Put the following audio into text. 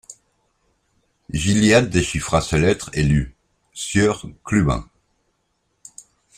Gilliatt déchiffra ces lettres et lut: Sieur Clubin.